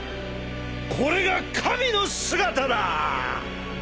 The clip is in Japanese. これが神の姿だ！